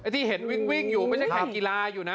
ที่เห็นวิ่งอยู่ไม่ใช่แข่งกีฬาอยู่นะ